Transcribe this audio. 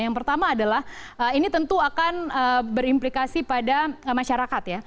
yang pertama adalah ini tentu akan berimplikasi pada masyarakat ya